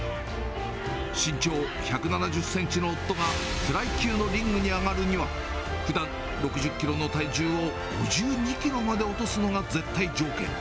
身長１７０センチの夫がフライ級のリングに上がるには、ふだん６０キロの体重を、５２キロまで落とすのが絶対条件。